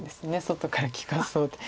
外から利かそうって。